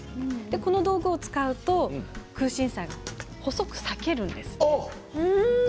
この道具を使うと空心菜が細く裂けるんです。